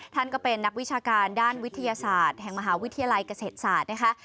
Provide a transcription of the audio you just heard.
ท่านก็เป็นนักวิชาการด้านวิทยาศาสตร์แห่งมหาวิทยาลัยเกษตรศาสตร์นะคะ